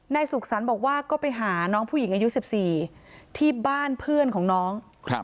สุขสรรค์บอกว่าก็ไปหาน้องผู้หญิงอายุ๑๔ที่บ้านเพื่อนของน้อง